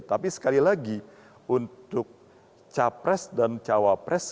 tapi sekali lagi untuk capres dan cawapres